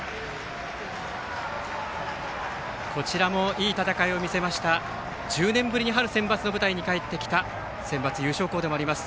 こちらもいい戦いを見せました１０年ぶりに春センバツの舞台に帰ってきたセンバツ優勝校でもあります